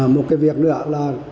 một cái việc nữa là